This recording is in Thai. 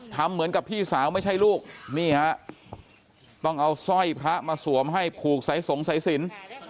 ทำเหมือนกับพี่สาวไม่ใช่ลูกนี่ฮะต้องเอาสร้อยพระมาสวมให้ผูกสายสงสัยสิน